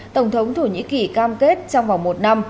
tổng thống thổ nhĩ kỳ cam kết trong vòng một năm